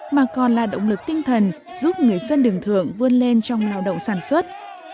mà còn là động lực tinh thần giúp người dân đường thượng vươn lên trong lao động sản xuất